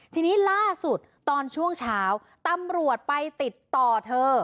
ทีนี้ล่าสุดตอนช่วงเช้าตำรวจไปติดต่อเธอ